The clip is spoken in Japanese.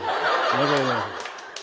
申し訳ございません。